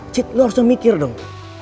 cit lo harusnya mikir dong